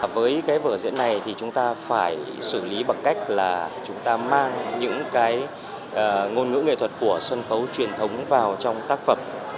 với cái vở diễn này thì chúng ta phải xử lý bằng cách là chúng ta mang những cái ngôn ngữ nghệ thuật của sân khấu truyền thống vào trong tác phẩm